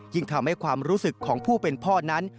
ทำให้ความรู้สึกของผู้เป็นพ่อนั้น